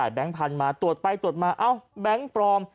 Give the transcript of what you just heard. จ่ายแบงค์พันธุ์มาตรวจไปตรวจมาแบงค์ปลอม